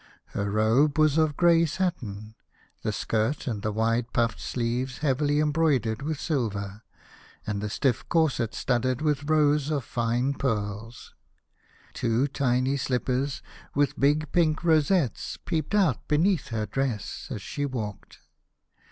Her robe was ot grey satin, the skirt and the wide puffed sleeves heavily embroidered with silver, and the stiff corset studded with rows of fine pearls. Two tiny slippers with big pink rosettes peeped out beneath her dress as she walked.